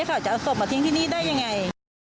เขาจะเอาศพมาทิ้งที่นี่ได้ยังไง